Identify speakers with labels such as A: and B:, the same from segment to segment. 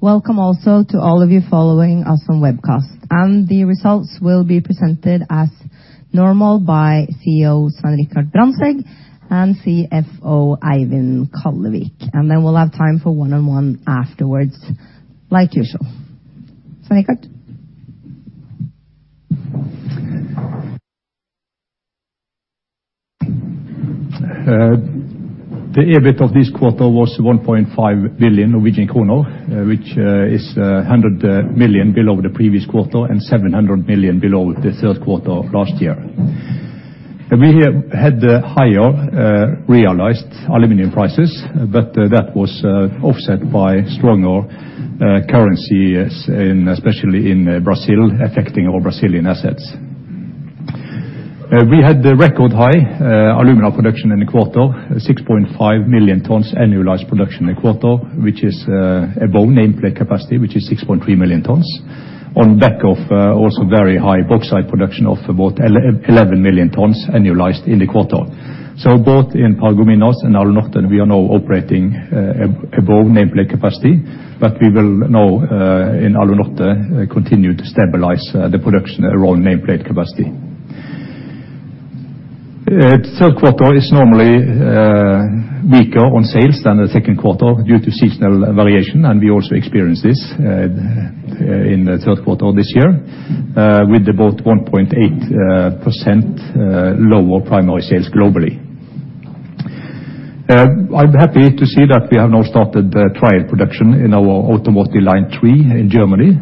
A: Welcome also to all of you following us on webcast. The results will be presented as normal by CEO Svein Richard Brandtzæg and CFO Eivind Kallevik. We'll have time for one-on-one afterwards like usual. Svein Richard?
B: The EBIT of this quarter was 1.5 billion Norwegian kroner, which is 100 million below the previous quarter and 700 million below the Q3 of last year. We have had higher realized aluminum prices, but that was offset by stronger currencies in, especially in Brazil, affecting our Brazilian assets. We had the record high aluminum production in the quarter, 6.5 million tons annualized production in the quarter, which is above nameplate capacity, which is 6.3 million tons. On the back of also very high bauxite production of about 11 million tons annualized in the quarter. Both in Paragominas and Alunorte, we are now operating above nameplate capacity, but we will now in Alunorte continue to stabilize the production around nameplate capacity. Q3 is normally weaker on sales than the Q2 due to seasonal variation, and we also experienced this in the Q3 this year with about 1.8% lower primary sales globally. I'm happy to see that we have now started the trial production in our automotive line three in Germany.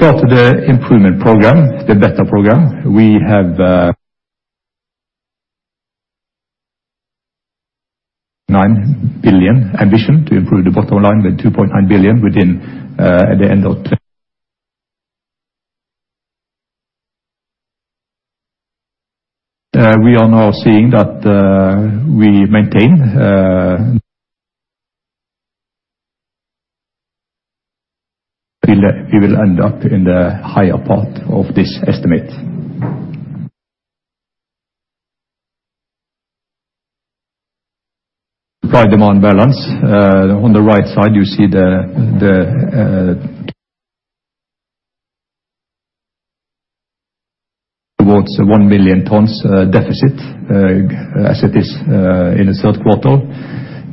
B: With regard to the improvement program, the BETTER program, we have 9 billion ambition to improve the bottom line with 2.9 billion within the end of. We are now seeing that we maintain. We will end up in the higher part of this estimate. Supply-demand balance. On the right side, you see the towards 1,000,000 tons deficit as it is in the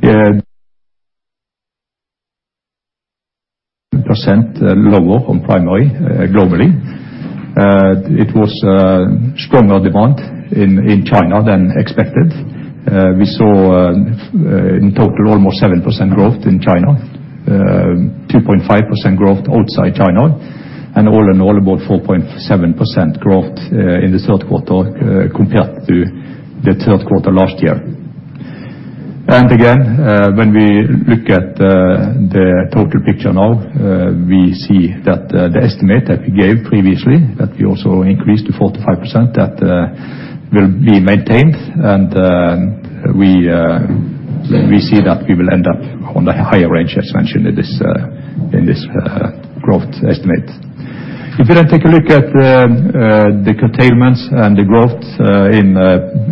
B: Q3. Percent lower on primary globally. It was stronger demand in China than expected. We saw in total almost 7% growth in China, 2.5% growth outside China, and all in all about 4.7% growth in the Q3 compared to the Q3 last year. Again, when we look at the total picture now, we see that the estimate that we gave previously, that we also increased to 45%, will be maintained. We see that we will end up on the higher range as mentioned in this growth estimate. If you now take a look at the curtailments and the growth in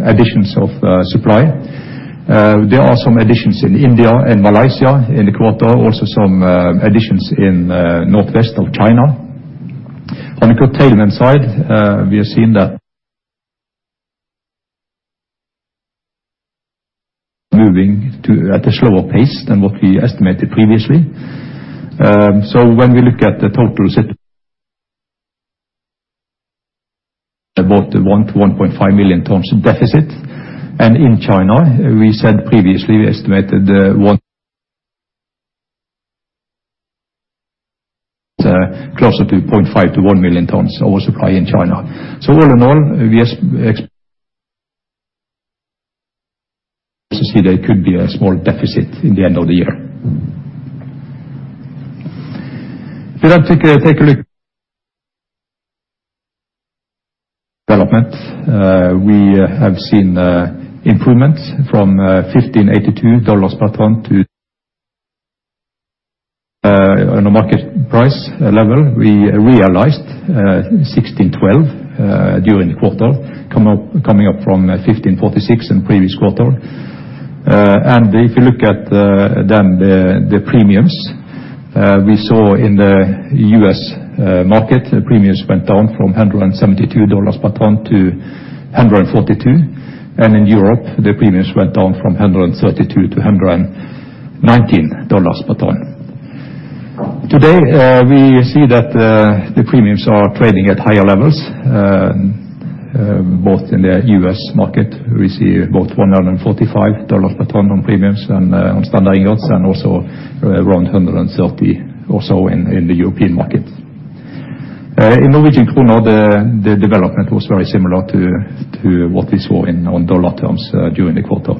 B: additions of supply. There are some additions in India and Malaysia in the quarter, also some additions in northwest of China. On the curtailment side, we have seen that moving at a slower pace than what we estimated previously. When we look at the total, it's about 1 million tons-1.5 million tons in deficit. In China, we said previously we estimated closer to 0.5-1 million tons oversupply in China. All in all, we see there could be a small deficit in the end of the year. If you now take a look at the development, we have seen improvements from $1,582 per ton to, on a market price level, we realized $1,612 during the quarter, coming up from $1,546 in previous quarter. If you look at the premiums we saw in the U.S. market, the premiums went down from $172 per ton to $142. In Europe, the premiums went down from $132 to $119 per ton. Today, we see that the premiums are trading at higher levels, both in the U.S. market, we see about $145 per ton on premiums and on standard ingots, and also around $130 or so in the European market. In Norwegian krone, the development was very similar to what we saw in our dollar terms during the quarter.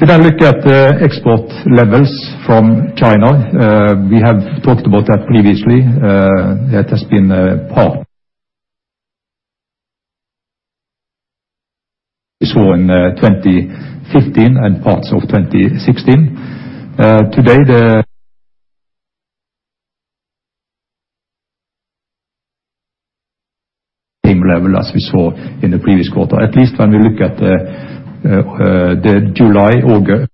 B: If I look at the export levels from China, we have talked about that previously. We saw in 2015 and parts of 2016. Today the same level as we saw in the previous quarter, at least when we look at the July, August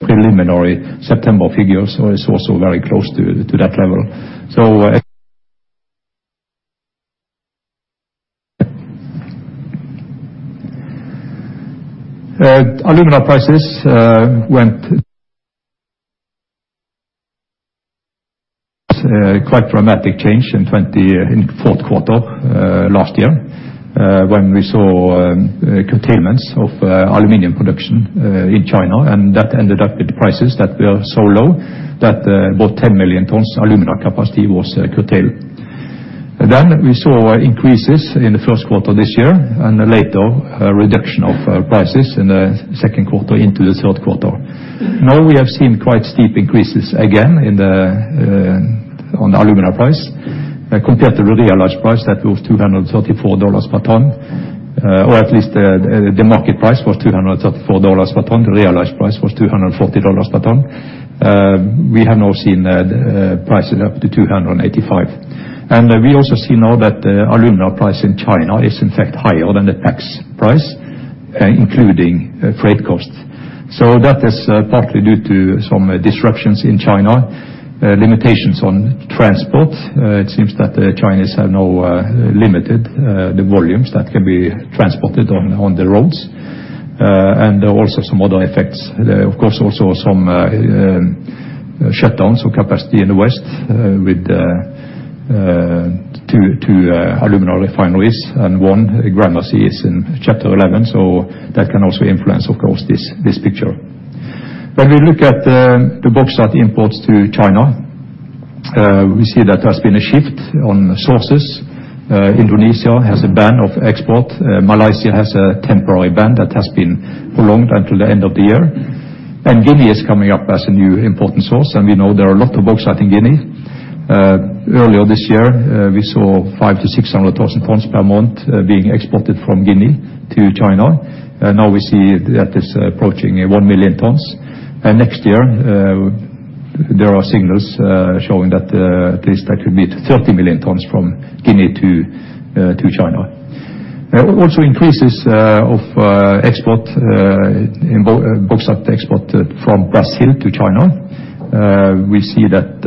B: preliminary September figures is also very close to that level. Alumina prices. It's a quite dramatic change in Q4 last year, when we saw curtailments of aluminum production in China. That ended up with prices that were so low that about 10 million tons alumina capacity was curtailed. We saw increases in the Q1 this year, and later, a reduction of prices in the Q2 into the Q3. Now we have seen quite steep increases again in the alumina price, compared to the realized price that was $234 per ton. Or at least the market price was $234 per ton. The realized price was $240 per ton. We have now seen the price is up to $285. We also see now that the alumina price in China is in fact higher than the LME price, including freight costs. That is partly due to some disruptions in China, limitations on transport. It seems that the Chinese have now limited the volumes that can be transported on the roads. Also some other effects, of course, also some shutdowns of capacity in the West with two alumina refineries. One, Gramercy, is in Chapter 11, so that can also influence, of course, this picture. When we look at the bauxite imports to China, we see that there's been a shift in sources. Indonesia has a ban on export. Malaysia has a temporary ban that has been prolonged until the end of the year. Guinea is coming up as a new important source, and we know there are a lot of bauxite in Guinea. Earlier this year, we saw 500,000 tons-600,000 tons per month being exported from Guinea to China. Now we see that is approaching 1 million tons. Next year, there are signals showing that this could be 30 million tons from Guinea to China. Also increases of export in bauxite export from Brazil to China. We see that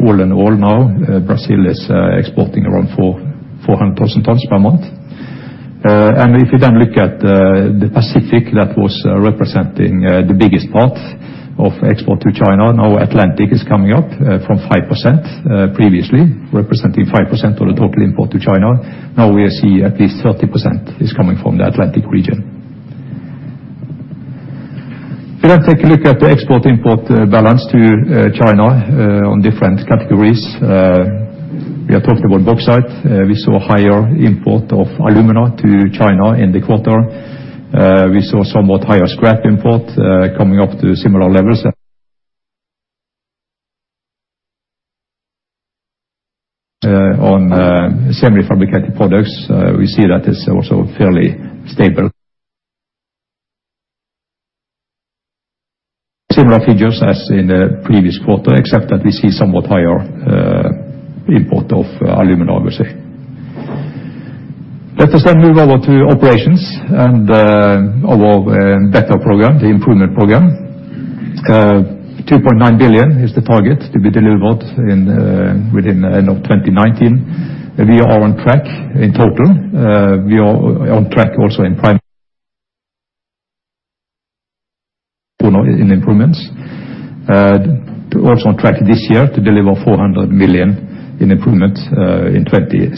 B: all in all now Brazil is exporting around 400,000 tons per month. If you then look at the Pacific, that was representing the biggest part of export to China. Now Atlantic is coming up from 5% previously, representing 5% of the total import to China. Now we see at least 30% is coming from the Atlantic region. If we take a look at the export-import balance to China on different categories. We have talked about bauxite. We saw higher import of alumina to China in the quarter. We saw somewhat higher scrap import coming up to similar levels on semi-fabricated products. We see that is also fairly stable. Similar figures as in the previous quarter, except that we see somewhat higher import of alumina, obviously. Let us move over to operations and our BETTER program, the improvement program. NOK 2.9 billion is the target to be delivered within end of 2019. We are on track in total. We are on track also in improvements. Also on track this year to deliver 400 million in improvements in 2016.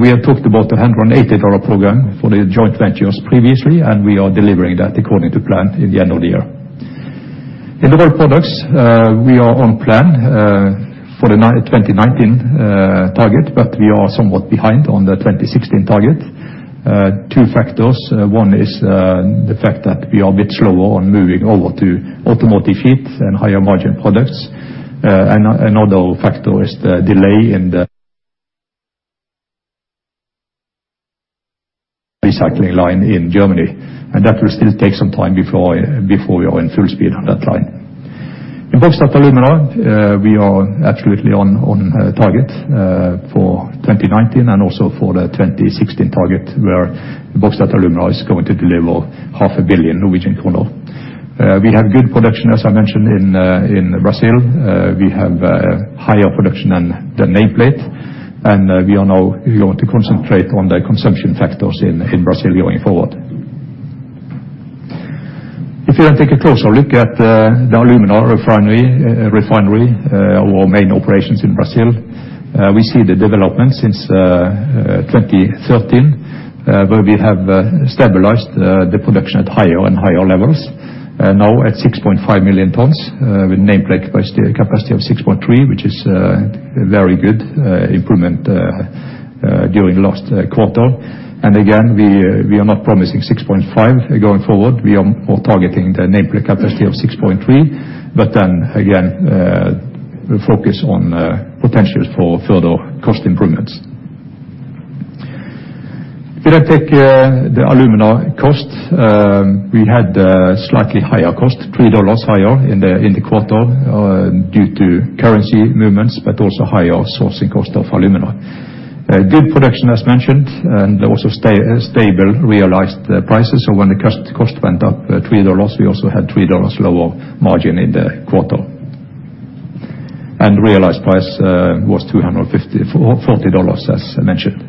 B: We have talked about the $180 program for the joint ventures previously, and we are delivering that according to plan at the end of the year. In the Rolled Products, we are on plan for the 2019 target, but we are somewhat behind on the 2016 target. Two factors. One is the fact that we are a bit slower on moving over to automotive feeds and higher margin products. Another factor is the delay in the recycling line in Germany, and that will still take some time before we are in full speed on that line. In Bauxite & Alumina, we are absolutely on target for 2019 and also for the 2016 target, where Bauxite & Alumina is going to deliver half a billion NOK. We have good production, as I mentioned, in Brazil. We have higher production than the nameplate. We are now going to concentrate on the consumption factors in Brazil going forward. If you then take a closer look at the alumina refinery, our main operations in Brazil, we see the development since 2013, where we have stabilized the production at higher and higher levels. Now at 6.5 million tons, with nameplate capacity of 6.3, which is very good improvement during last quarter. We are not promising 6.5 going forward. We are more targeting the nameplate capacity of 6.3. Focus on potentials for further cost improvements. If I take the alumina costs, we had slightly higher cost, $3 higher in the quarter due to currency movements. Also higher sourcing cost of alumina. Good production as mentioned, and also stable realized prices. When the cost went up $3, we also had $3 lower margin in the quarter. Realized price was $2,540, as mentioned.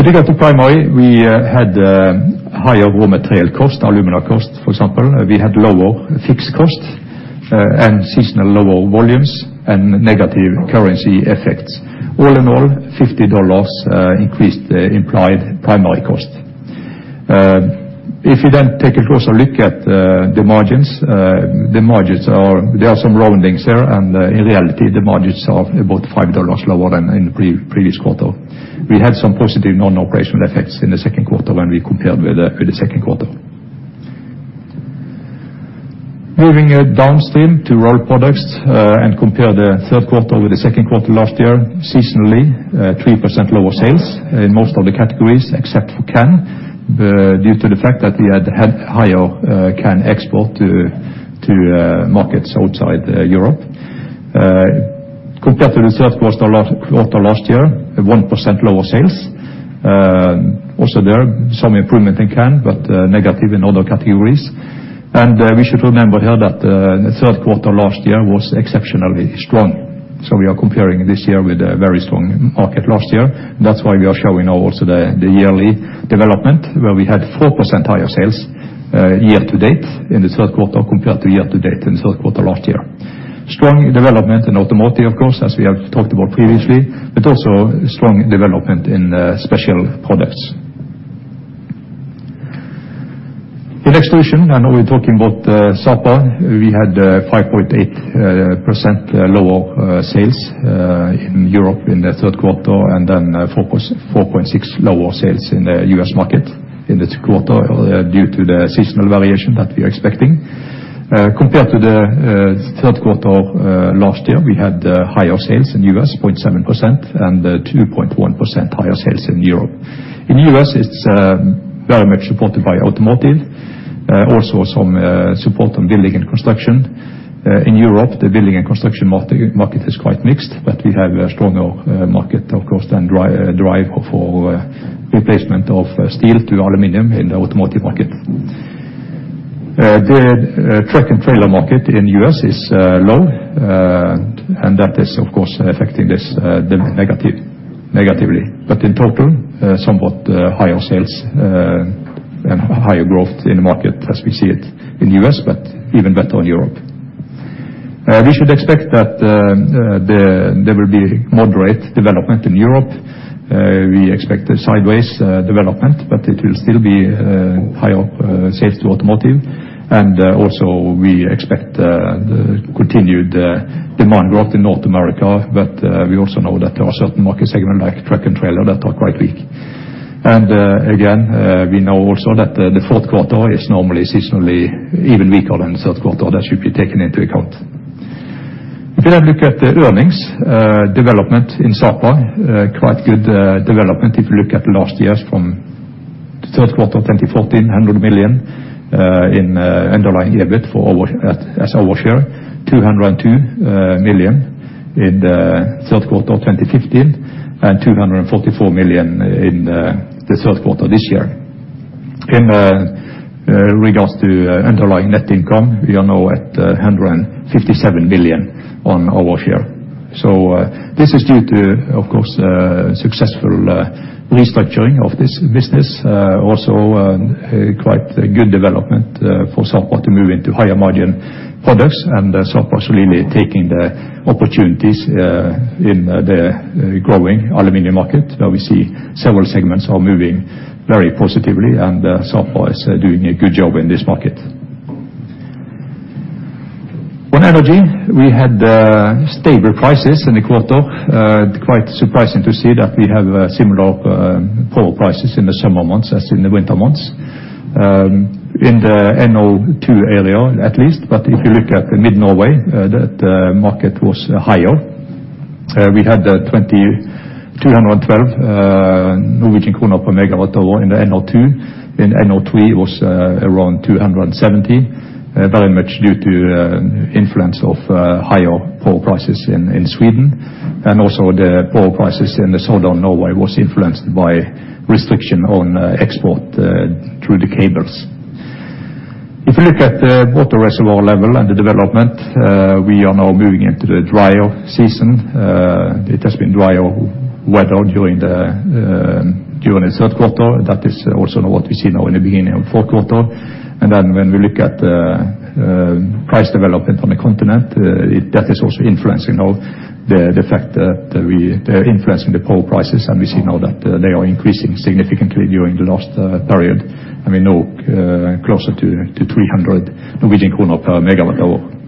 B: If we go to Primary, we had higher raw material cost, alumina cost, for example. We had lower fixed costs, and seasonal lower volumes and negative currency effects. All in all, $50 increased the implied primary cost. If you then take a closer look at the margins, the margins are about $5 lower than in the previous quarter. We had some positive non-operational effects in the Q2 when we compared with the Q2. Moving downstream to Rolled Products, and compare the Q3 with the Q2 last year, seasonally, 3% lower sales in most of the categories except for can, due to the fact that we had higher can export to markets outside Europe. Compared to the Q3 last year, 1% lower sales. Also there some improvement in can, but negative in other categories. We should remember here that the Q3 last year was exceptionally strong. We are comparing this year with a very strong market last year. That's why we are showing also the yearly development, where we had 4% higher sales year to date in the Q3 compared to year to date in the Q3 last year. Strong development in automotive, of course, as we have talked about previously, but also strong development in special products. In Extrusions, I know we're talking about Sapa. We had 5.8% lower sales in Europe in the Q3, and then 4.6% lower sales in the U.S. market in the quarter due to the seasonal variation that we are expecting. Compared to the Q3 last year, we had 0.7% higher sales in the U.S., and 2.1% higher sales in Europe. In U.S., it's very much supported by automotive, also some support on building and construction. In Europe, the building and construction market is quite mixed, but we have a stronger market, of course, than the drive for replacement of steel to aluminum in the automotive market. The truck and trailer market in U.S. is low, and that is, of course, affecting this negatively. In total, somewhat higher sales and higher growth in the market as we see it in U.S., but even better in Europe. We should expect that there will be moderate development in Europe. We expect a sideways development, but it will still be higher sales to automotive. Also we expect the continued demand growth in North America. We also know that there are certain market segments like truck and trailer that are quite weak. Again, we know also that the Q4 is normally seasonally even weaker than the Q3. That should be taken into account. If you then look at the earnings development in Sapa, quite good development if you look at last year's from Q3 2014, 100 million in underlying EBIT for our as our share, 202 million in the Q3 of 2015, and 244 million in the Q3 this year. In regards to underlying net income, we are now at 157 million on our share. This is due to, of course, successful restructuring of this business. Quite good development for Sapa to move into higher margin products. Sapa is really taking the opportunities in the growing aluminum market. Now we see several segments are moving very positively, and Sapa is doing a good job in this market. On Energy, we had stable prices in the quarter. Quite surprising to see that we have similar power prices in the summer months as in the winter months in the NO2 area at least. If you look at the Mid Norway market, that market was higher. We had 212 Norwegian kroner per MWh in the NO2. In NO3 was around 270, very much due to influence of higher power prices in Sweden. Also the power prices in the south of Norway was influenced by restriction on export through the cables. If you look at the water reservoir level and the development, we are now moving into the drier season. It has been drier weather during the Q3. That is also now what we see now in the beginning of Q4. When we look at price development on the continent, that is also influencing now the fact that they're influencing the power prices, and we see now that they are increasing significantly during the last period. I mean, now, closer to NOK 300 per MWh.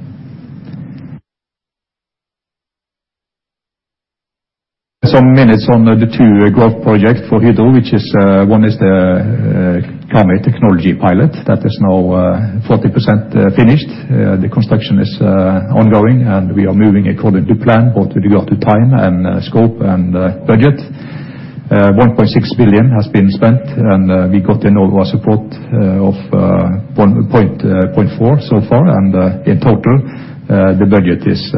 B: Some minutes on the two growth project for Hydro, which is one is the Karmøy technology pilot that is now 40% finished. The construction is ongoing, and we are moving according to plan, both with regard to time and scope and budget. 1.6 billion has been spent, and we got Enova support of 1.4 billion so far. In total, the budget is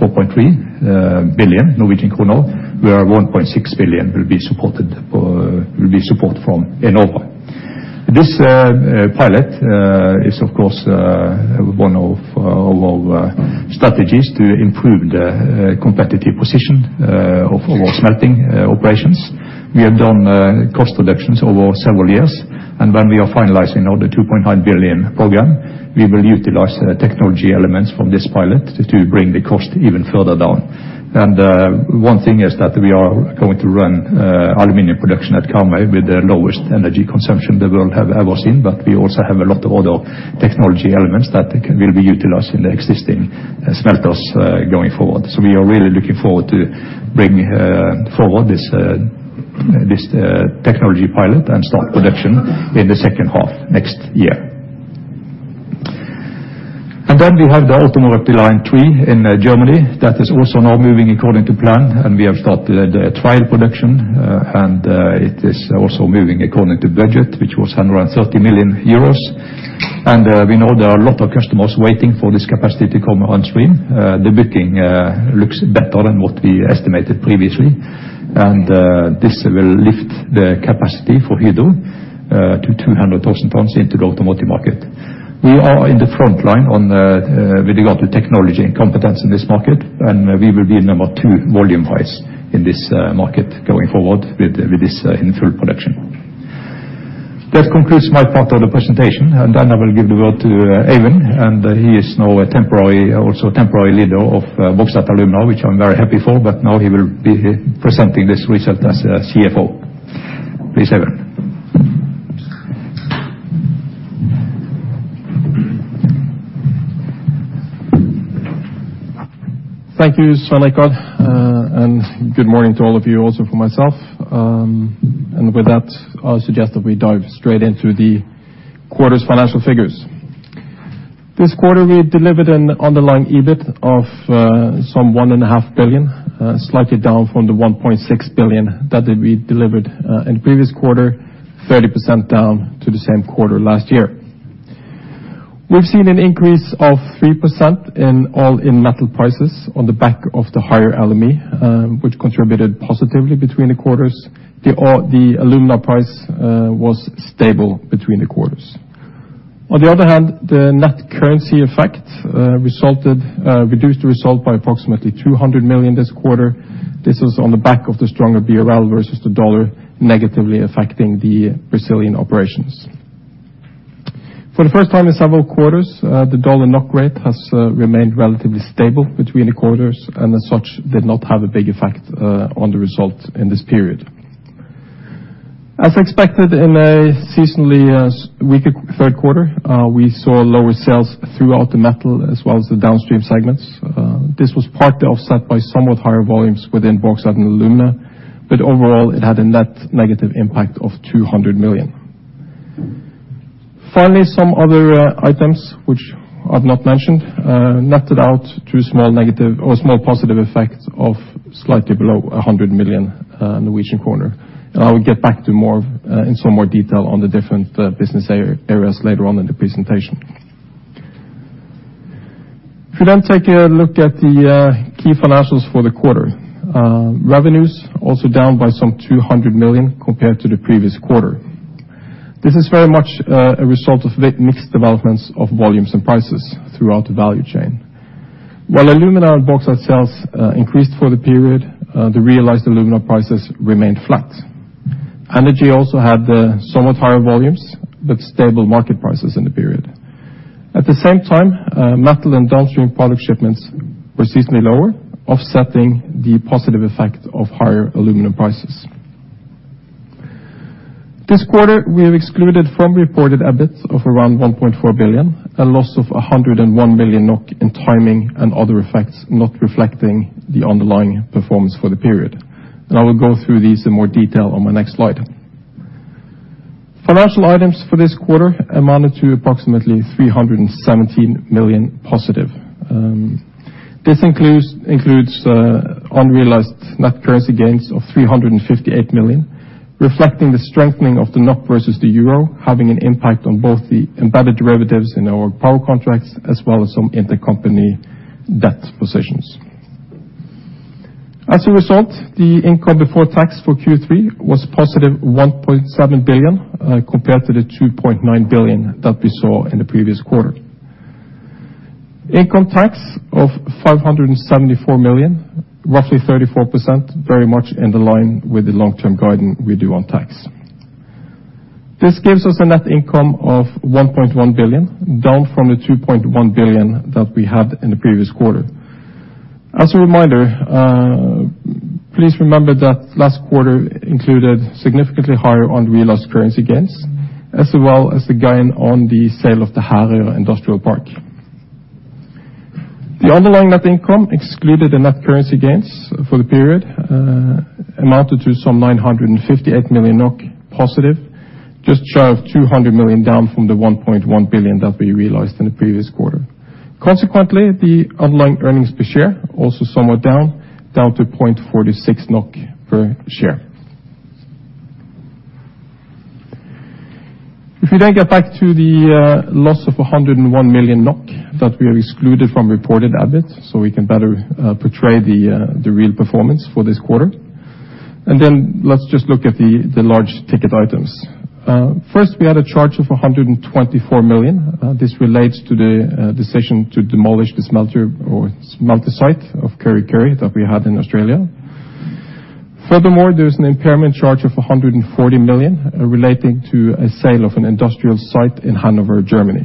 B: 4.3 billion Norwegian kroner, where 1.6 billion will be support from Enova. This pilot is of course one of our strategies to improve the competitive position of our smelting operations. We have done cost reductions over several years, and when we are finalizing all the 2.9 billion program, we will utilize the technology elements from this pilot to bring the cost even further down. One thing is that we are going to run aluminum production at Karmøy with the lowest energy consumption the world have ever seen. We also have a lot of other technology elements that will be utilized in the existing smelters going forward. We are really looking forward to bring forward this technology pilot and start production in the H2 next year. We have the automotive line three in Germany that is also now moving according to plan, and we have started the trial production, and it is also moving according to budget, which was 130 million euros. We know there are a lot of customers waiting for this capacity to come on stream. The booking looks better than what we estimated previously, and this will lift the capacity for Hydro to 200,000 tons into the automotive market. We are in the front line on the with regard to technology and competence in this market, and we will be number two volume-wise in this market going forward with this in full production. That concludes my part of the presentation, and then I will give the word to Eivind, and he is now a temporary leader of Bauxite & Alumina, which I'm very happy for. Now he will be presenting this result as CFO. Please, Eivind.
C: Thank you, Svein Richard, and good morning to all of you also from myself. With that, I'll suggest that we dive straight into the quarter's financial figures. This quarter, we delivered an underlying EBIT of some one and a half billion, slightly down from the 1.6 billion that we delivered in the previous quarter, 30% down to the same quarter last year. We've seen an increase of 3% in all-in metal prices on the back of the higher LME, which contributed positively between the quarters. The alumina price was stable between the quarters. On the other hand, the net currency effect reduced the result by approximately 200 million this quarter. This is on the back of the stronger BRL versus the dollar, negatively affecting the Brazilian operations. For the first time in several quarters, the dollar-NOK rate has remained relatively stable between the quarters, and as such, did not have a big effect on the results in this period. As expected in a seasonally weaker Q3, we saw lower sales throughout the metal as well as the downstream segments. This was partly offset by somewhat higher volumes within bauxite and alumina, but overall, it had a net negative impact of 200 million. Finally, some other items which I've not mentioned netted out to a small negative or a small positive effect of slightly below 100 million Norwegian kroner. I will get back to more in some more detail on the different business areas later on in the presentation. If we then take a look at the key financials for the quarter. Revenues also down by some 200 million compared to the previous quarter. This is very much a result of the mixed developments of volumes and prices throughout the value chain. While alumina and bauxite sales increased for the period, the realized alumina prices remained flat. Energy also had somewhat higher volumes, but stable market prices in the period. At the same time, metal and downstream product shipments were seasonally lower, offsetting the positive effect of higher aluminum prices. This quarter, we have excluded from reported EBIT of around 1.4 billion, a loss of 101 million NOK in timing and other effects, not reflecting the underlying performance for the period. I will go through these in more detail on my next slide. Financial items for this quarter amounted to approximately 317 million positive. This includes unrealized net currency gains of 358 million, reflecting the strengthening of the NOK versus the euro, having an impact on both the embedded derivatives in our power contracts as well as some intercompany debt positions. As a result, the income before tax for Q3 was positive 1.7 billion, compared to the 2.9 billion that we saw in the previous quarter. Income tax of 574 million, roughly 34%, very much in the line with the long-term guidance we do on tax. This gives us a net income of 1.1 billion, down from the 2.1 billion that we had in the previous quarter. As a reminder, please remember that last quarter included significantly higher unrealized currency gains, as well as the gain on the sale of the Herøya Industripark. The underlying net income excluded the net currency gains for the period, amounted to some 958 million NOK positive, just shy of 200 million, down from the 1.1 billion that we realized in the previous quarter. Consequently, the underlying earnings per share also somewhat down to 0.46 NOK per share. If you then get back to the loss of 101 million NOK that we have excluded from reported EBIT, so we can better portray the real performance for this quarter. Then let's just look at the large ticket items. First, we had a charge of 124 million. This relates to the decision to demolish the smelter or smelter site of Kurri Kurri that we had in Australia. Furthermore, there is an impairment charge of 140 million relating to a sale of an industrial site in Hannover, Germany.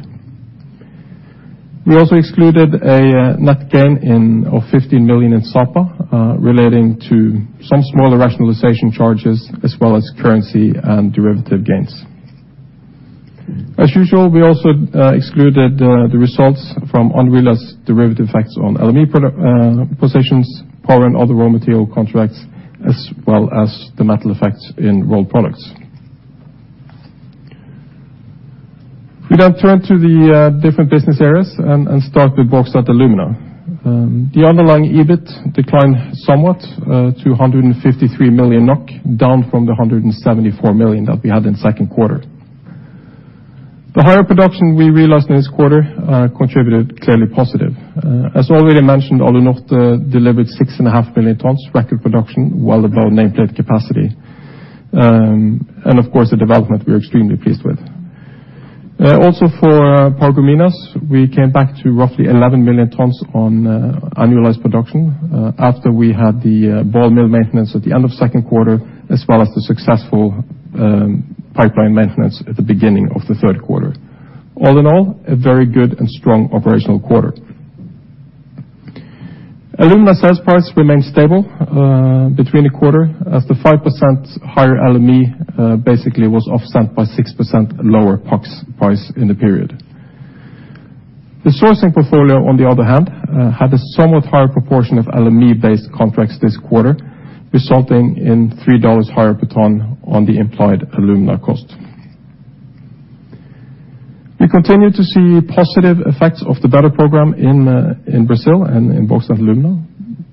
C: We also excluded a net gain of 50 million in Sapa relating to some smaller rationalization charges as well as currency and derivative gains. As usual, we also excluded the results from unrealized derivative effects on LME product positions, power and other raw material contracts, as well as the metal effects in Rolled Products. We now turn to the different business areas and start with Bauxite & Alumina. The underlying EBIT declined somewhat to 153 million NOK, down from the 174 million that we had in Q2. The higher production we realized in this quarter contributed clearly positive. As already mentioned, Alunorte delivered 6.5 million tons, record production, well above nameplate capacity. And of course, the development we are extremely pleased with. Also for Paragominas, we came back to roughly 11 million tons on annualized production after we had the ball mill maintenance at the end of Q2, as well as the successful pipeline maintenance at the beginning of the Q3. All in all, a very good and strong operational quarter. Alumina sales price remained stable between quarters as the 5% higher LME basically was offset by 6% lower PUC price in the period. The sourcing portfolio, on the other hand, had a somewhat higher proportion of LME-based contracts this quarter, resulting in $3 higher per ton on the implied alumina cost. We continue to see positive effects of the BETTER program in Brazil and in Bauxite & Alumina.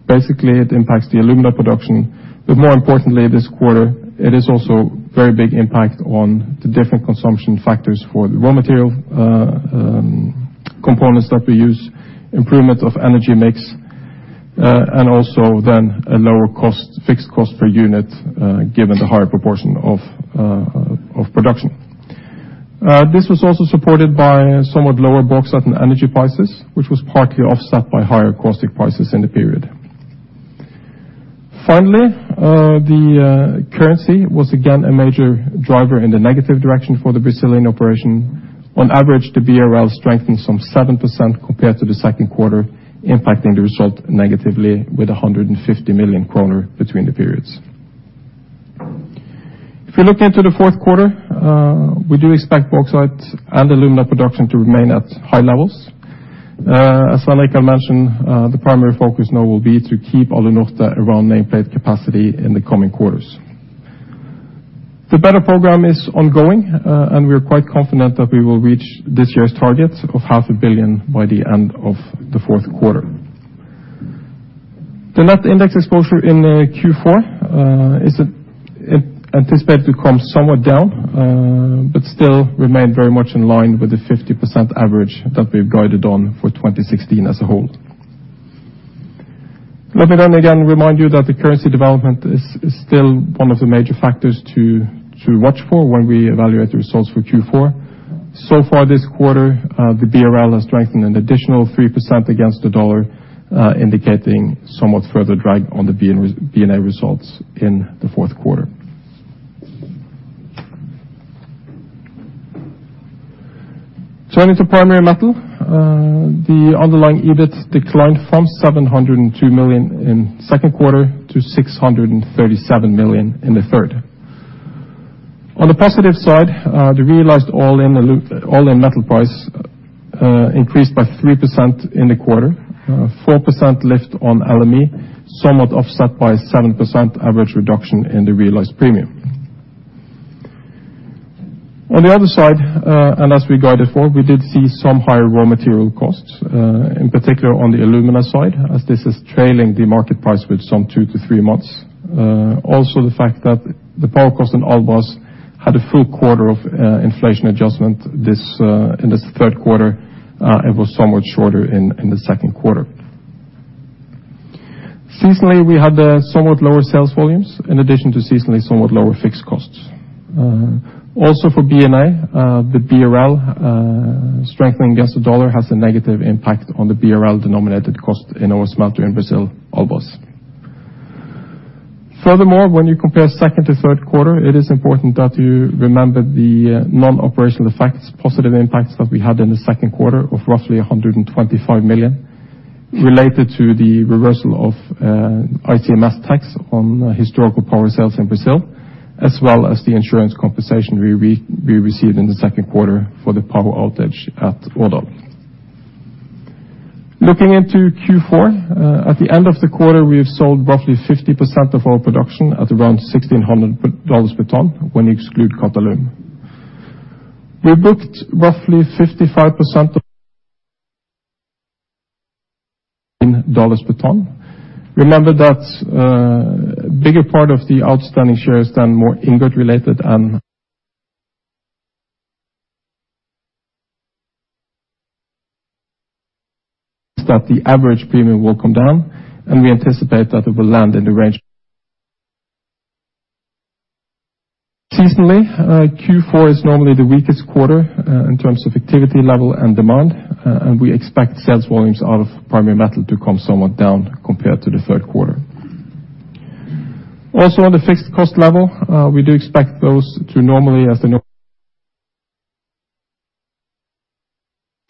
C: Basically, it impacts the alumina production, but more importantly this quarter, it is also very big impact on the different consumption factors for the raw material components that we use, improvement of energy mix, and also then a lower cost, fixed cost per unit, given the higher proportion of production. This was also supported by somewhat lower bauxite and energy prices, which was partly offset by higher caustic prices in the period. Finally, the currency was again a major driver in the negative direction for the Brazilian operation. On average, the BRL strengthened some 7% compared to the Q2, impacting the result negatively with 150 million kroner between the periods. If you look into the Q4, we do expect bauxite and alumina production to remain at high levels. As I mentioned, the primary focus now will be to keep Alunorte around nameplate capacity in the coming quarters. The BETTER program is ongoing, and we are quite confident that we will reach this year's target of half a billion by the end of the Q4. The net index exposure in Q4 is anticipated to come somewhat down, but still remain very much in line with the 50% average that we've guided on for 2016 as a whole. Let me again remind you that the currency development is still one of the major factors to watch for when we evaluate the results for Q4. So far this quarter, the BRL has strengthened an additional 3% against the dollar, indicating somewhat further drag on the B&A results in the Q4. Turning to Primary Metal, the underlying EBIT declined from 702 million in Q2 to 637 million in the third. On the positive side, the realized all-in metal price increased by 3% in the quarter, 4% lift on LME, somewhat offset by 7% average reduction in the realized premium. On the other side, and as we guided for, we did see some higher raw material costs, in particular on the alumina side, as this is trailing the market price with some 2-3 months. Also, the fact that the power cost in Albras had a full quarter of inflation adjustment in this Q3. It was somewhat shorter in the Q2. Seasonally, we had somewhat lower sales volumes in addition to seasonally somewhat lower fixed costs. Also, for B&A, the BRL strengthening against the dollar has a negative impact on the BRL-denominated cost in our smelter in Brazil, Albras. Furthermore, when you compare second to Q3, it is important that you remember the non-operational effects, positive impacts that we had in the Q2 of roughly 125 million related to the reversal of ICMS tax on historical power sales in Brazil, as well as the insurance compensation we received in the Q2 for the power outage at Årdal. Looking into Q4, at the end of the quarter, we have sold roughly 50% of our production at around $1,600 per ton, when you exclude Qatalum. We booked roughly 55% in dollars per ton. Remember that a bigger part of the outstanding shares are more ingot-related and that the average premium will come down, and we anticipate that it will land in the range. Seasonally, Q4 is normally the weakest quarter in terms of activity level and demand, and we expect sales volumes out of Primary Metal to come somewhat down compared to the Q3. Also, on the fixed cost level, we do expect those to normally increase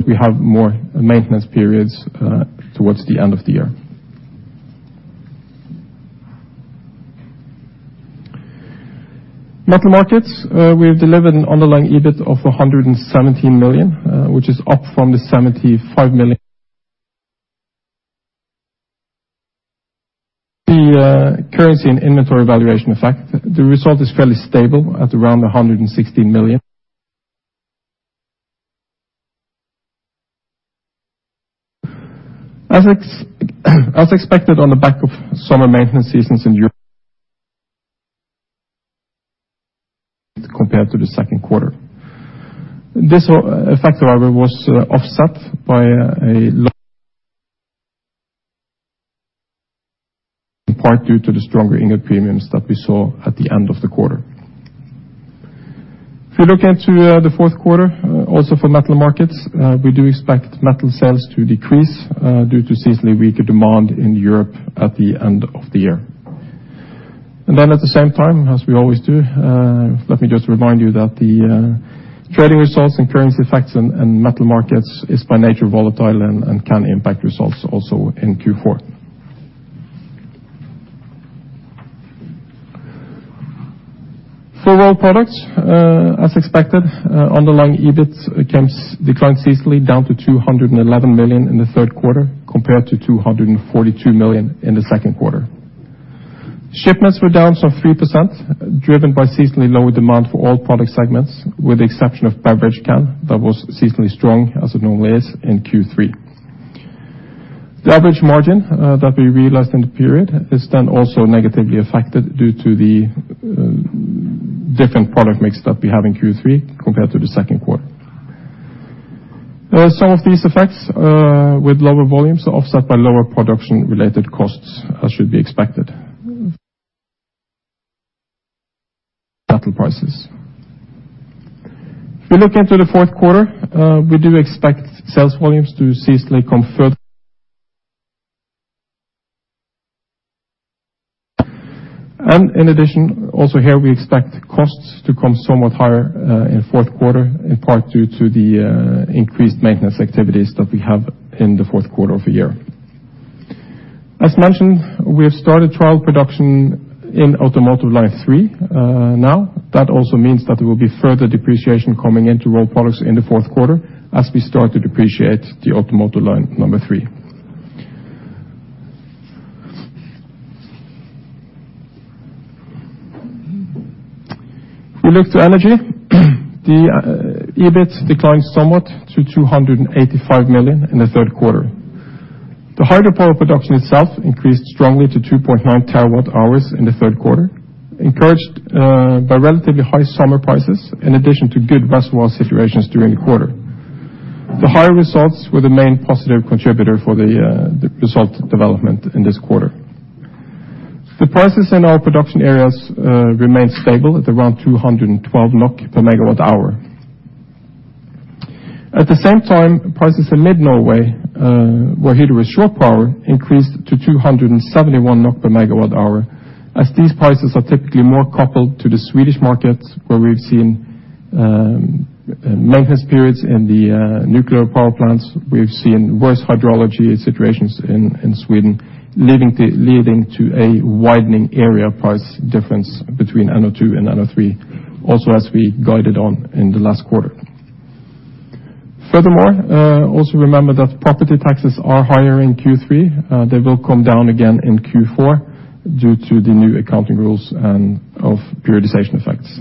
C: as we have more maintenance periods towards the end of the year. Metal Markets, we have delivered an underlying EBIT of 117 million, which is up from the 75 million. The currency and inventory valuation effect, the result is fairly stable at around 160 million. As expected on the back of summer maintenance seasons in Europe compared to the Q2. This effect, however, was offset by, in part due to the stronger ingot premiums that we saw at the end of the quarter. If you look into the Q4, also for Metal Markets, we do expect metal sales to decrease due to seasonally weaker demand in Europe at the end of the year. At the same time, as we always do, let me just remind you that the trading results and currency effects in Metal Markets is by nature volatile and can impact results also in Q4. For Rolled Products, as expected, underlying EBIT, again, declined seasonally down to 211 million in the Q3 compared to 242 million in the Q2. Shipments were down some 3% driven by seasonally lower demand for all product segments, with the exception of beverage can that was seasonally strong as it normally is in Q3. The average margin that we realized in the period is then also negatively affected due to the different product mix that we have in Q3 compared to the Q2. Some of these effects with lower volumes are offset by lower production-related costs, as should be expected. Metal prices. If you look into the Q4, we do expect sales volumes to seasonally come further. In addition, also here, we expect costs to come somewhat higher, in the Q4, in part due to the increased maintenance activities that we have in the Q4 of the year. As mentioned, we have started trial production in automotive line three, now. That also means that there will be further depreciation coming into Rolled Products in the Q4 as we start to depreciate the automotive line number three. If we look to Energy, the EBIT declined somewhat to 285 million in the Q3. The hydropower production itself increased strongly to 2.9 terawatt-hours in the Q3, encouraged by relatively high summer prices in addition to good reservoir situations during the quarter. The higher results were the main positive contributor for the result development in this quarter. The prices in our production areas remained stable at around 212 NOK per MWh. At the same time, prices in Mid Norway, where Hydro short power increased to 271 NOK per MWh, as these prices are typically more coupled to the Swedish markets, where we've seen maintenance periods in the nuclear power plants. We've seen worse hydrology situations in Sweden, leading to a widening area price difference between NO2 and NO3, also as we guided on in the last quarter. Furthermore, also remember that property taxes are higher in Q3. They will come down again in Q4 due to the new accounting rules and of periodization effects.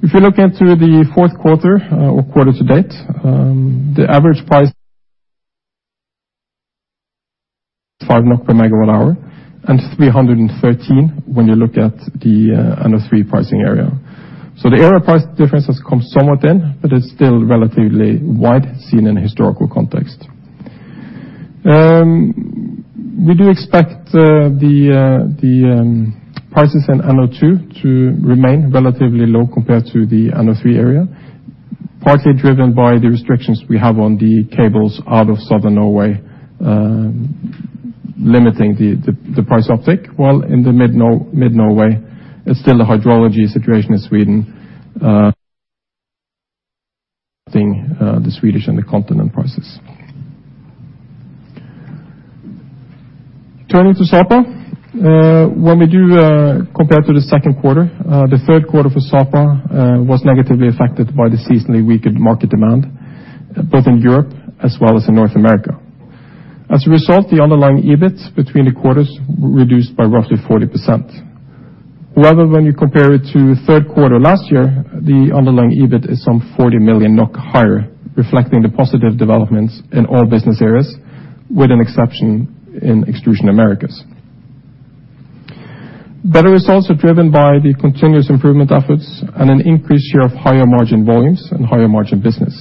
C: If you look into the Q4, or quarter to date, the average price 5 NOK per MWh and 313 when you look at the NO3 pricing area. The area price difference has come somewhat in, but it's still relatively wide seen in historical context. We do expect the prices in NO2 to remain relatively low compared to the NO3 area, partly driven by the restrictions we have on the cables out of Southern Norway, limiting the price uptick, while in the Mid-Norway it's still the hydrology situation in Sweden, the Swedish and the continental prices. Turning to Sapa, when we compare to the Q2, the Q3 for Sapa was negatively affected by the seasonally weaker market demand, both in Europe as well as in North America. As a result, the underlying EBIT between the quarters reduced by roughly 40%. However, when you compare it to Q3 last year, the underlying EBIT is some 40 million NOK higher, reflecting the positive developments in all business areas, with an exception in Extrusion Americas. Better results are driven by the continuous improvement efforts and an increased share of higher margin volumes and higher margin business.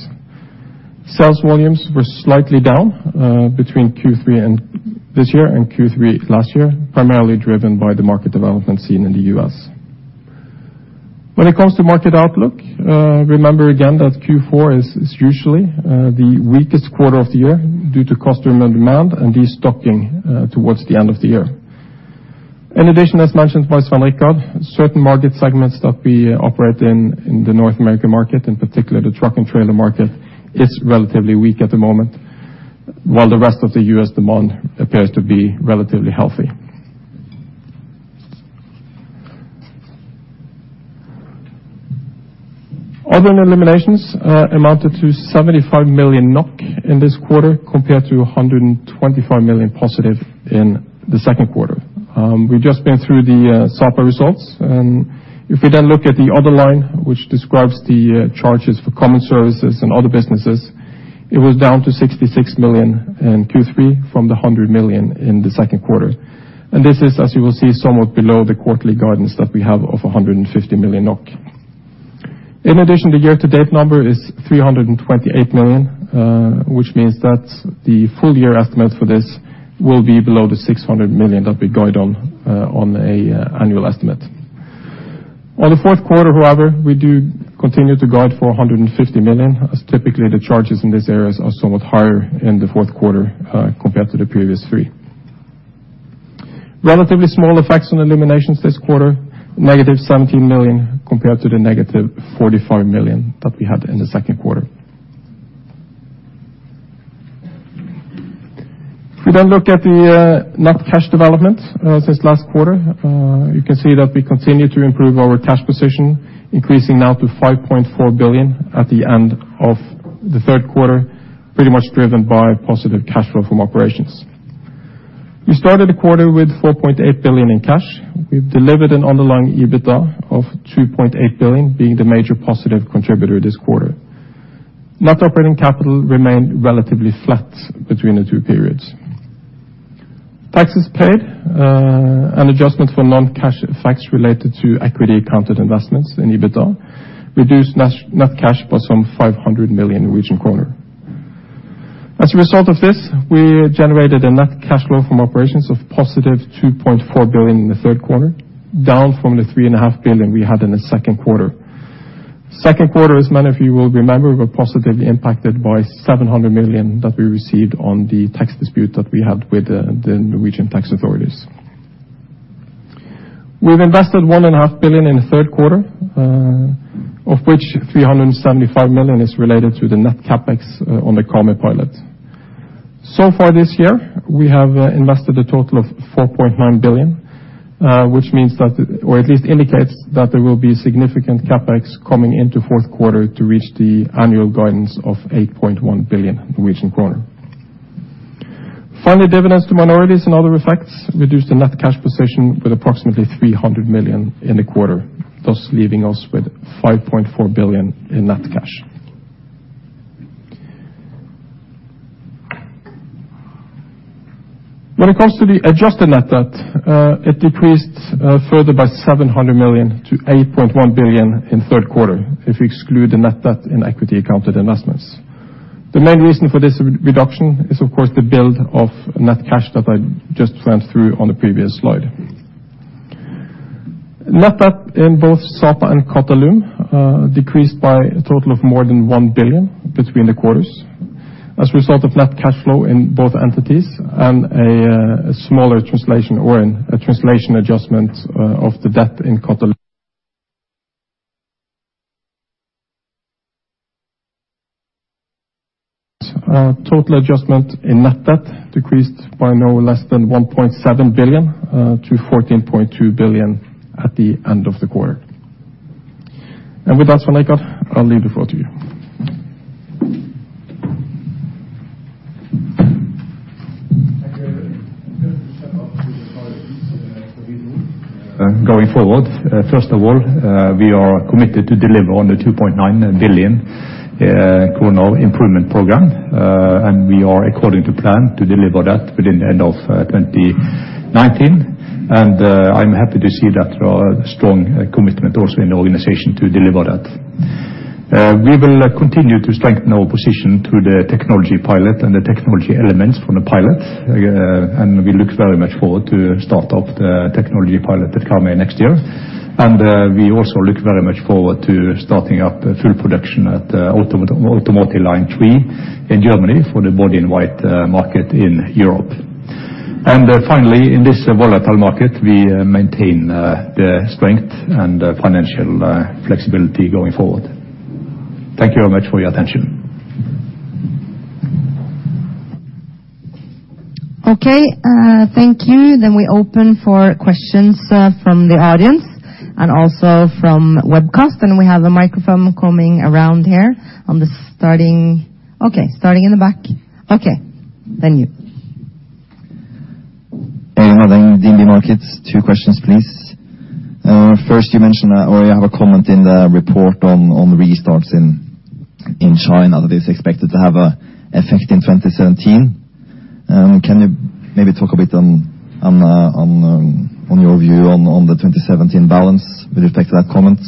C: Sales volumes were slightly down between Q3 and this year and Q3 last year, primarily driven by the market development seen in the U.S. When it comes to market outlook, remember again that Q4 is usually the weakest quarter of the year due to customer demand and destocking towards the end of the year. In addition, as mentioned by Svein Richard, certain market segments that we operate in the North American market, in particular the truck and trailer market, is relatively weak at the moment, while the rest of the U.S. demand appears to be relatively healthy. Other eliminations amounted to 75 million NOK in this quarter, compared to 125 million positive in the Q2. We've just been through the Sapa results, and if we then look at the other line, which describes the charges for common services and other businesses, it was down to 66 million in Q3 from 100 million in the Q2. This is, as you will see, somewhat below the quarterly guidance that we have of 150 million NOK. In addition, the year-to-date number is 328 million, which means that the full year estimate for this will be below the 600 million that we guide on an annual estimate. On the Q4, however, we do continue to guide for 150 million, as typically the charges in this area are somewhat higher in the Q4, compared to the previous three. Relatively small effects on eliminations this quarter, negative 17 million compared to the negative 45 million that we had in the Q2. If we then look at the net cash development since last quarter, you can see that we continue to improve our cash position, increasing now to 5.4 billion at the end of the Q3, pretty much driven by positive cash flow from operations. We started the quarter with 4.8 billion in cash. We've delivered an underlying EBITDA of 2.8 billion being the major positive contributor this quarter. Net operating capital remained relatively flat between the two periods. Taxes paid and adjustments for non-cash effects related to equity accounted investments in EBITDA reduced net cash by some 500 million Norwegian kroner. As a result of this, we generated a net cash flow from operations of positive 2.4 billion in the Q3, down from the 3.5 billion we had in the Q2. Q2, as many of you will remember, were positively impacted by 700 million that we received on the tax dispute that we had with, the Norwegian tax authorities. We've invested 1.5 billion in the Q3, of which 375 million is related to the net CapEx on the Karmøy pilot. So far this year, we have, invested a total of 4.9 billion, which means that, or at least indicates that there will be significant CapEx coming into Q4 to reach the annual guidance of 8.1 billion Norwegian kroner. Finally, dividends to minorities and other effects reduced the net cash position with approximately 300 million in the quarter, thus leaving us with 5.4 billion in net cash. When it comes to the adjusted net debt, it decreased further by 700 million to 8.1 billion in the Q3 if you exclude the net debt in equity accounted investments. The main reason for this reduction is, of course, the build of net cash that I just went through on the previous slide. Net debt in both Sapa and Qatalum decreased by a total of more than 1 billion between the quarters as a result of net cash flow in both entities and a smaller translation adjustment of the debt in Qatalum. Total adjusted net debt decreased by no less than 1.7 billion to 14.2 billion at the end of the quarter. With that, Svein Richard, I'll leave the floor to you.
B: Thank you, Eivind. Going forward, first of all, we are committed to deliver on the 2.9 billion kroner improvement program, and we are according to plan to deliver that within the end of 2019. I'm happy to see that there are strong commitment also in the organization to deliver that. We will continue to strengthen our position through the technology pilot and the technology elements from the pilot, and we look very much forward to start up the technology pilot at Karmøy next year. We also look very much forward to starting up full production at automotive line three in Germany for the body-in-white market in Europe. Finally, in this volatile market, we maintain the strength and financial flexibility going forward. Thank you very much for your attention.
A: Okay. Thank you. Then we open for questions from the audience and also from webcast. We have the microphone coming around here. Starting in the back. Okay, then you.
D: Markets. Two questions, please. First, you mentioned or you have a comment in the report on restarts in China that is expected to have an effect in 2017. Can you maybe talk a bit on your view on the 2017 balance with respect to that comment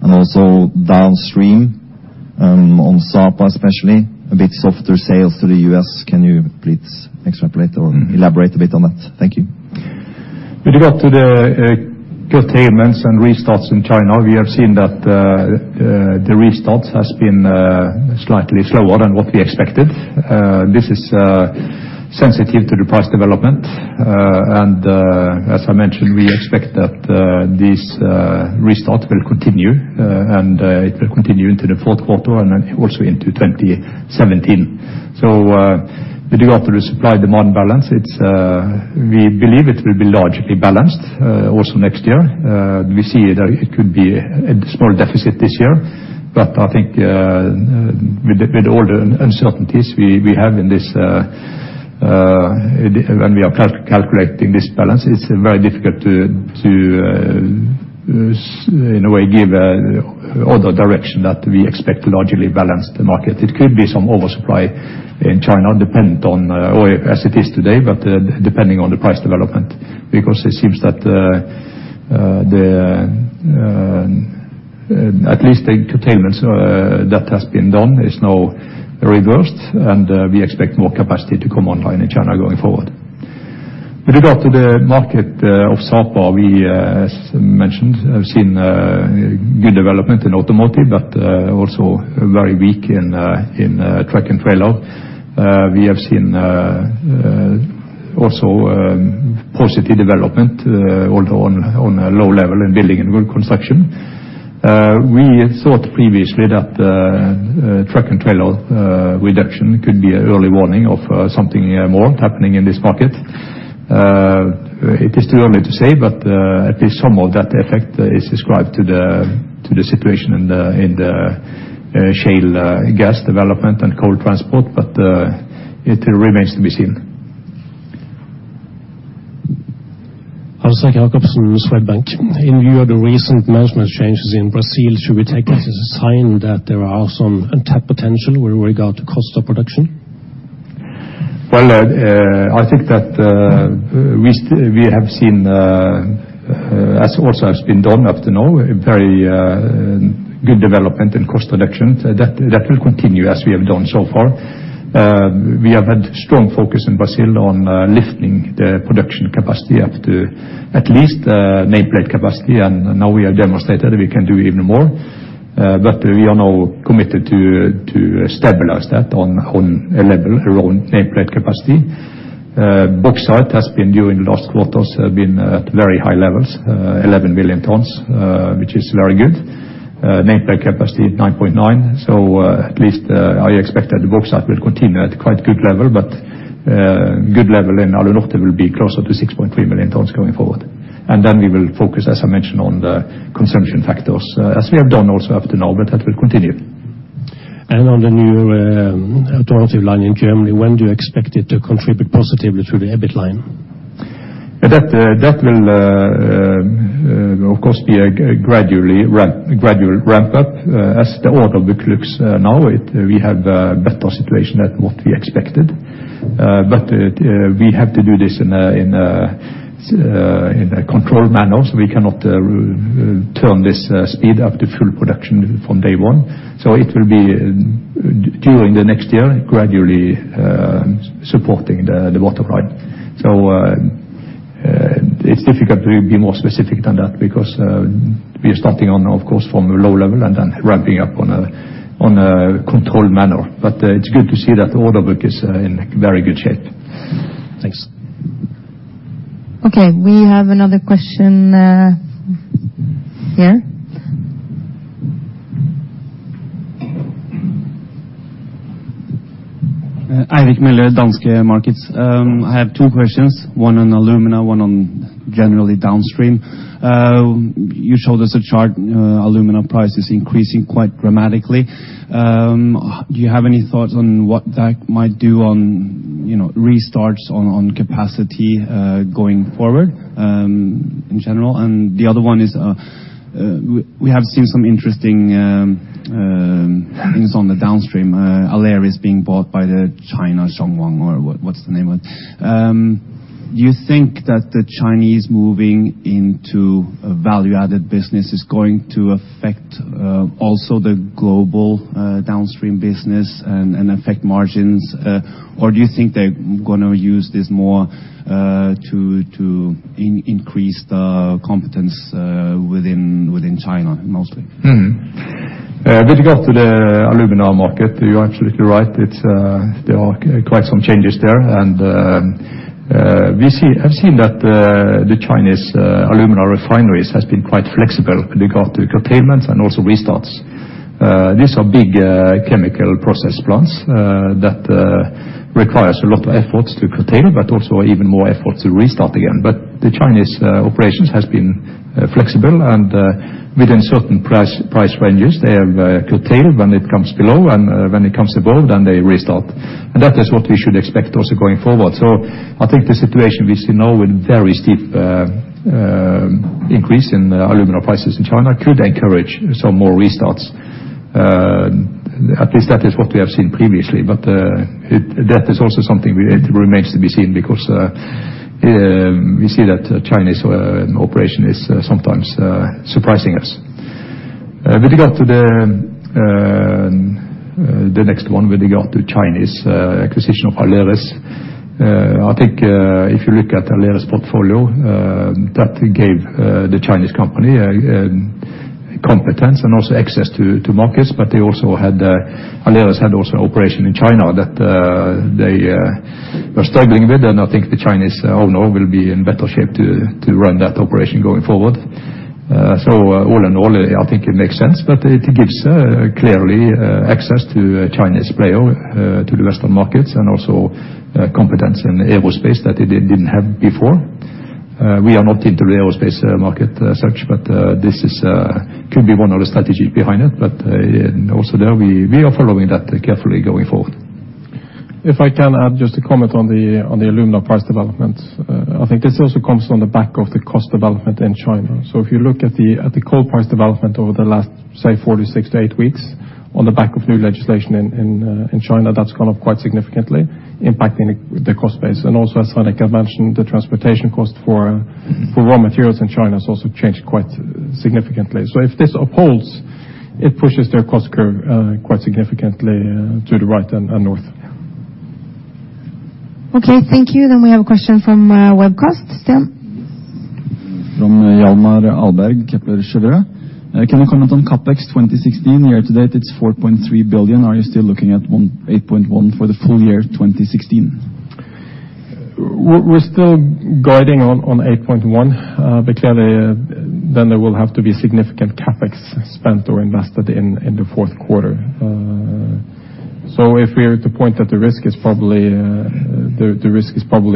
D: and also downstream on Sapa, especially a bit softer sales to the U.S. Can you please extrapolate or elaborate a bit on that? Thank you.
B: With regard to the curtailments and restarts in China, we have seen that the restart has been slightly slower than what we expected. This is sensitive to the price development. As I mentioned, we expect that this restart will continue, and it will continue into the Q4 and then also into 2017. With regard to the supply demand balance, it's, we believe it will be largely balanced also next year. We see it could be a small deficit this year. I think with all the uncertainties we have in this when we are calculating this balance, it's very difficult to in a way give other direction that we expect to largely balance the market. It could be some oversupply in China dependent on or as it is today, but depending on the price development, because it seems that at least the curtailments that has been done is now reversed, and we expect more capacity to come online in China going forward. With regard to the market of Sapa, we, as mentioned, have seen good development in automotive, but also very weak in truck and trailer. We have seen also positive development, although on a low level in building and road construction. We thought previously that truck and trailer reduction could be an early warning of something more happening in this market. It is too early to say, but at least some of that effect is ascribed to the situation in the shale gas development and coal transport, but it remains to be seen.
E: Jacobson, Swedbank. In view of the recent management changes in Brazil, should we take it as a sign that there are some untapped potential with regard to cost of production?
B: I think that we have seen, as also has been done up to now, a very good development in cost reduction, that will continue, as we have done so far. We have had strong focus in Brazil on lifting the production capacity up to at least nameplate capacity. Now we have demonstrated we can do even more. We are now committed to stabilize that on a level around nameplate capacity. Bauxite has been during last quarters been at very high levels, 11 million tons, which is very good. Nameplate capacity at 9.9. At least I expect that the bauxite will continue at quite good level, but good level in Alunorte will be closer to 6.3 million tons going forward. We will focus, as I mentioned, on the consumption factors, as we have done also up to now. That will continue.
E: On the new automotive line in Germany, when do you expect it to contribute positively to the EBIT line?
B: That will, of course, be a gradual ramp up. As the order book looks now, we have a better situation than what we expected, but we have to do this in a controlled manner, so we cannot turn this speed up to full production from day one. It will be during the next year, gradually, supporting the bottom line. It's difficult to be more specific than that because we are starting, of course, from a low level and then ramping up in a controlled manner. It's good to see that the order book is in very good shape.
E: Thanks.
A: Okay, we have another question here.
F: Danske Markets. I have two questions. One on alumina, one on generally downstream. You showed us a chart. Alumina price is increasing quite dramatically. Do you have any thoughts on what that might do on, you know, restarts on capacity going forward in general? The other one is, we have seen some interesting things on the downstream. Aleris being bought by China Zhongwang or what's the name of it? Do you think that the Chinese moving into a value-added business is going to affect also the global downstream business and affect margins? Or do you think they're gonna use this more to increase the competence within China mostly?
B: With regard to the alumina market, you're absolutely right. There are quite some changes there. I've seen that the Chinese alumina refineries has been quite flexible with regard to curtailments and also restarts. These are big chemical process plants that requires a lot of efforts to curtail but also even more efforts to restart again. But the Chinese operations has been flexible and within certain price ranges they have curtailed when it comes below and when it comes above then they restart and that is what we should expect also going forward so I think the situation we see now with very steep increase in aluminium prices in China could encourage some more restarts at least that is what we have seen previously that is also something that remains to be seen because we see that China operations is sometimes suprising us. With regard to the next one with regard to Chinese acquisition Aleris if you look at the Aleris portfolio that we gave the Chinese company competence and also access to markets but they also Aleris had operation in China that they are struggling with and I think the Chinese will be in better shape to run that operation going forward so all and all I think it makes sense but it gives clearly access to China's claim to the western markets and also competence in aerospace that they didn't have before we are not into aerospace market such but this could be one of the stategy behind it and we are following that carefully going forward.
C: If I can add just a comment on the aluminium price development. I think there is such a concern on the cost development in China so if you look at the cost price development over the last say 4 to 6 to 8 weeks on the back of new legislation in China that has gone up quite sIgnificantly impacting the cost base and also as I mentioned the transportation cost of raw materials in China changed quite significantly so if this upholds it pushes the cost curve quite significantly to the right and north.
A: Thank you. We have a question from webcast.
G: From Hjalmar Ahlberg, Kepler Cheuvreux. Can you comment on CapEx 2016? Year-to-date, it's 4.3 billion. Are you still looking at 18.1 for the full year 2016?
C: We're still guiding on 8.1. Clearly, then there will have to be significant CapEx spent or invested in the Q4. If we are to point out that the risk is probably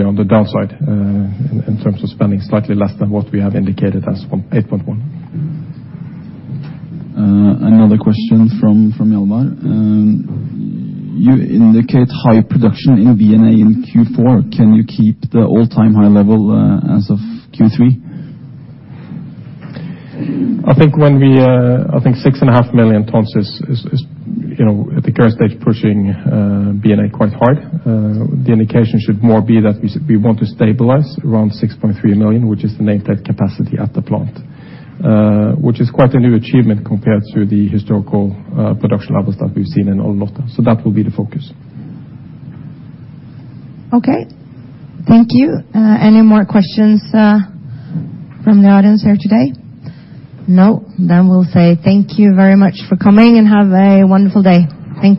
C: on the downside in terms of spending slightly less than what we have indicated as from 8.1.
B: Another question from Hjalmar. You indicate high production in B&A in Q4. Can you keep the all-time high level as of Q3?
C: I think six and a half million tons is, you know, at the current stage, pushing B&A quite hard. The indication should more be that we want to stabilize around 6.3 million, which is the nameplate capacity at the plant. Which is quite a new achievement compared to the historical production levels that we've seen in Alunorte. That will be the focus.
A: Okay. Thank you. Any more questions from the audience here today? No. We'll say thank you very much for coming, and have a wonderful day. Thank you.